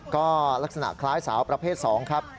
ก็ลักษณะคล้ายสาวประเภท๒ครับ